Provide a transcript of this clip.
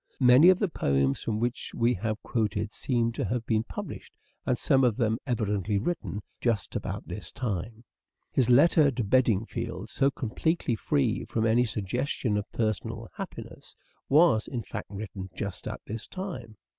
Many of the poems from which we have quoted seem to have been published, and some of them evidently written, just about this time. His letter to Bedingfield, so completely free from any suggestion of personal unhappiness, was, in fact, written just at this time.